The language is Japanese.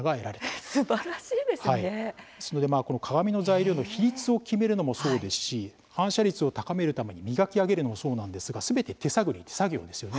まあこの鏡の材料の比率を決めるのもそうですし反射率を高めるために磨き上げるのもそうなんですが全て手探り手作業ですよね。